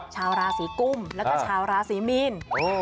ชาวราศีกุมแล้วก็ชาวราศีมีน